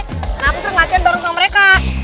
kenapa lo mesti latihan dorong sama mereka